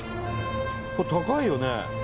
これ高いよね。